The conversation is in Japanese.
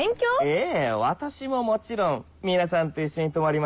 ええ私ももちろん皆さんと一緒に泊まりますよ